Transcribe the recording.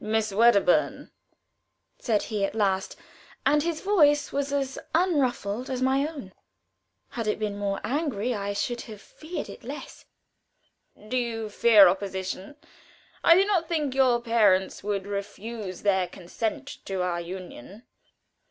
"Miss Wedderburn," said he, at last and his voice was as unruffled as my own; had it been more angry I should have feared it less "do you fear opposition? I do not think your parents would refuse their consent to our union."